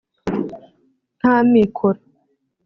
nta mikoro